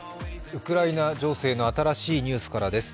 ウクライナ情勢の新しいニュースからです。